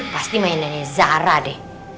pasti mainannya zara deh